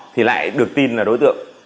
thì lại được tin là đối tượng